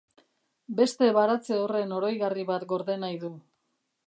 Beste baratze horren oroigarri bat gorde nahi du.